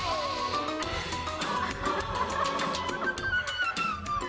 ah be begitu